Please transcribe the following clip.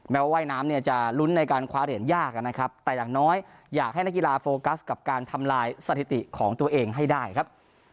ว่ายน้ำเนี่ยจะลุ้นในการคว้าเหรียญยากนะครับแต่อย่างน้อยอยากให้นักกีฬาโฟกัสกับการทำลายสถิติของตัวเองให้ได้ครับ